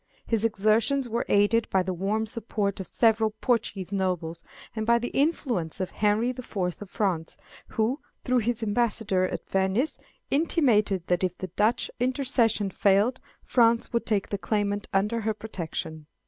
His exertions were aided by the warm support of several Portuguese nobles, and by the influence of Henry the Fourth of France, who, through his ambassador at Venice, intimated that if the Dutch intercession failed, France would take the claimant under her protection.